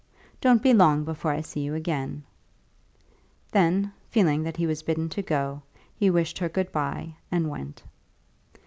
Don't be long before I see you again." Then, feeling that he was bidden to go, he wished her good by, and went.